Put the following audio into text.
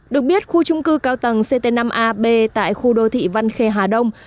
được biết khu trung cư cao tầng ct năm ab tại khu đô thị văn khe hà đông